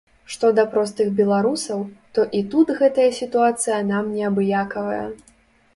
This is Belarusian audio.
Што да простых беларусаў, то і тут гэтая сітуацыя нам неабыякавая.